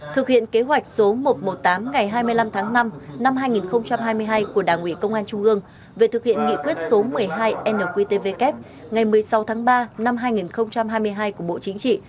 thực hiện kế hoạch số một trăm một mươi tám ngày hai mươi năm tháng năm năm hai nghìn hai mươi hai của đảng ủy công an trung ương về thực hiện nghị quyết số một mươi hai nqtvk ngày một mươi sáu tháng ba năm hai nghìn hai mươi hai của bộ chính trị